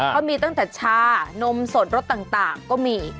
เขามีตั้งแต่ชานมสดรสต่างก็มี